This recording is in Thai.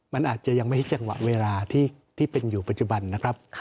มันอาจจะยังไม่ใช่จังหวะเวลาที่เป็นอยู่ปัจจุบันนะครับ